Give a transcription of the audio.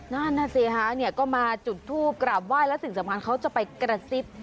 นั่นน่ะสิฮะเนี่ยก็มาจุดทูปกราบไหว้แล้วสิ่งสำคัญเขาจะไปกระซิบ